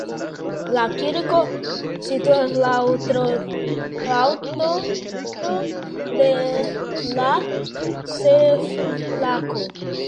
La kirko situas laŭ trotuaro de la ĉefplaco.